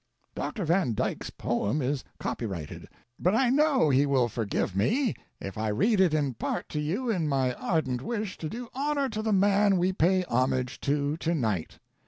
Dr. Van Dyke's poem is copyrighted, but I know he will forgive me if I read it in part to you in my ardent wish to do honor to the man we pay homage to tonight.